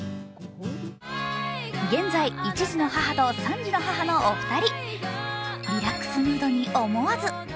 現在、１児の母と３児の母のお二人。